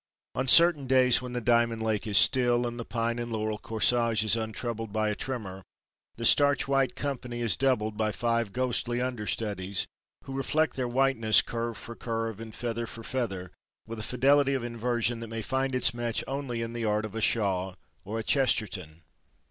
On certain days when the diamond Lake is still, and the Pine and Laurel corsage is untroubled by a tremor, the starch white company is doubled by five ghostly "understudies" who reflect their whiteness curve for curve and feather for feather with a fidelity of inversion that may find its match only in the art of a Shaw or a Chesterton.